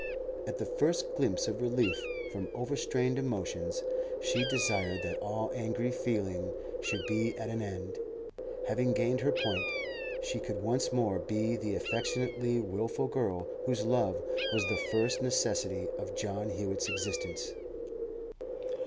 At the first glimpse of relief from overstrained emotions, she desired that all angry feeling should be at an end. Having gained her point, she could once more be the affectionately wilful girl whose love was the first necessity of John Hewett's existence.